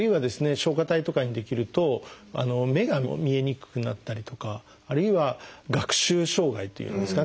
松果体とかに出来ると目が見えにくくなったりとかあるいは学習障害というんですかね